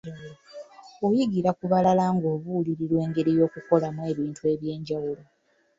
Oyigira ku balala ng'obulirirwa engeri y'okukolamu ebintu eby'enjawulo.